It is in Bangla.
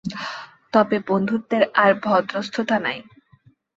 তবে বন্ধুত্বের আর ভদ্রস্থতা নাই।